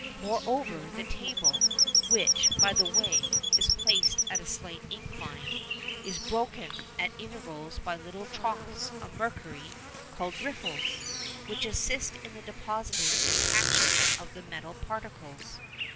Moreover, the table, which, by the way, is placed at a slight incline, is broken at intervals by little troughs of mercury called riffles, which assist in the depositing and catching of the metal particles.